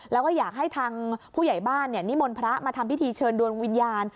แล้วก็อยากให้ทางผู้ใหญ่บ้านนิมนต์พระมาทำพิธีเชิญดวงวิญญาณ